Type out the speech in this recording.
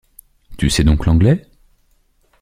Tu sais donc l’anglais?